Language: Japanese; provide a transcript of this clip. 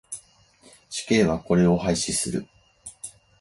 死刑はこれを廃止する。